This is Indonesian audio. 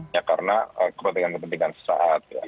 ya karena kepentingan kepentingan sesaat